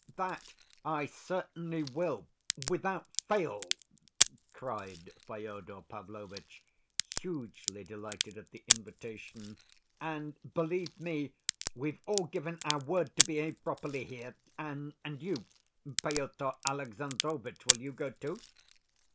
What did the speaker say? "That I certainly will, without fail," cried Fyodor Pavlovitch, hugely delighted at the invitation. "And, believe me, we've all given our word to behave properly here.... And you, Pyotr Alexandrovitch, will you go, too?"